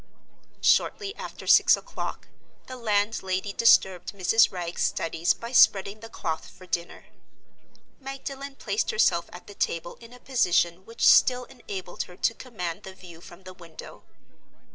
Shortly after six o'clock, the landlady disturbed Mrs. Wragge's studies by spreading the cloth for dinner. Magdalen placed herself at the table in a position which still enabled her to command the view from the window.